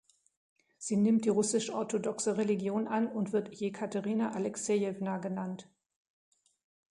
Sie nimmt die russisch-orthodoxe Religion an und wird Jekaterina Alexejewna genannt.